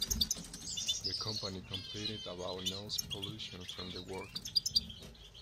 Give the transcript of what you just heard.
The company complained about noise pollution from the work.